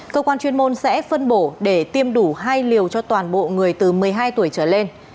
cơ quan chuyên môn sẽ phân bổ để tiêm đủ hai liều cho toàn bộ người từ một mươi hai tuổi trở lên